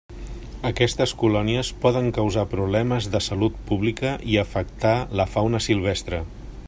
Aquestes colònies poden causar problemes de salut pública i afectar la fauna silvestre.